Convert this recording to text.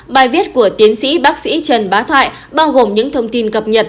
bài viết của tiến sĩ bác sĩ trần bá thoại bao gồm những thông tin cập nhật